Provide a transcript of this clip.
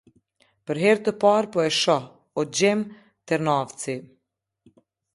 Për herë të parë po e shoh, o Xhem Ternavci.